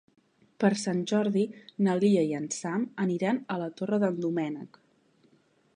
Per Sant Jordi na Lia i en Sam aniran a la Torre d'en Doménec.